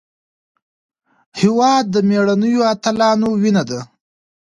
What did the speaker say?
هېواد د مېړنیو اتلانو وینه ده.